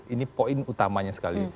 ini poin utamanya sekali